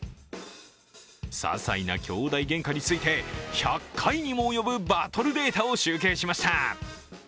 ささいな兄弟げんかについて、１００回にも及ぶバトルデータを集計しました。